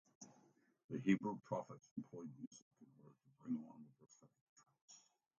The Hebrew prophets employed music in order to bring on the prophetic trance.